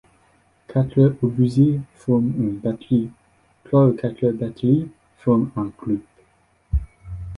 Quatre obusiers forment une batterie, trois ou quatre batteries forment un groupe.